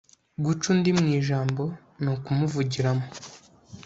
guca undi mu ijambo ni ukumuvugiramo